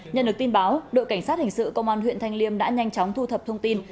nhận được tin báo đội cảnh sát hình sự công an huyện thanh liêm đã nhanh chóng thu thập thông tin